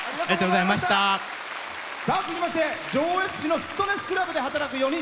続きまして、上越市のフィットネスクラブで働く４人。